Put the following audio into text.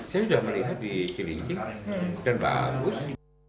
saya sudah melihat di cilincing dan bagus